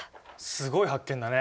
すごい発見だね！